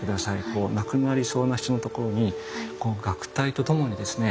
こう亡くなりそうな人のところに楽隊と共にですね